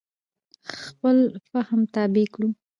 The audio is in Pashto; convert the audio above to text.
خپل فهم تابع کړو.